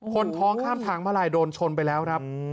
คนท้องข้ามทางมาลายโดนชนไปแล้วครับ